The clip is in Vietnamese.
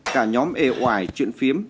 cả nhóm êo ải chuyện phiếm